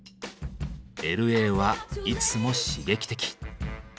Ｌ．Ａ．はいつも刺激的。